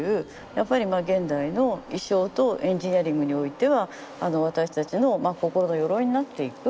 やっぱり現代の意匠とエンジニアリングにおいては私たちの心の鎧になっていく。